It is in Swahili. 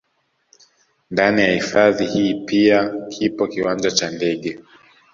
Ndani ya hifadhi hii pia kipo kiwanja cha ndege